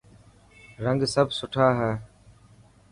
رنگ سڀ سٺا هي.